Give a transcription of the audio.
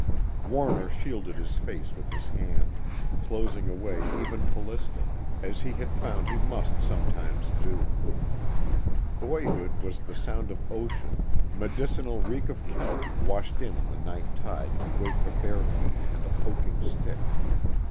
Warner shielded his face with his hand, closing away even Callista, as he had found he must sometimes do. Boyhood was the sound of ocean, medicinal reek of kelp washed in on the night tide to wait for bare feet and a poking stick.